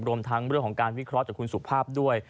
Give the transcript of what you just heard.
รวมทั้งเรื่องของการวิเคราะห์จากคุณสุภาพด้วย